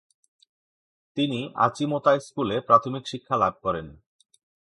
তিনি আচিমোতা স্কুলে মাধ্যমিক শিক্ষা লাভ করেন।